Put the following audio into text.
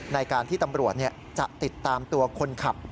ในการที่ตำรวจจะติดตามตัวคนขับ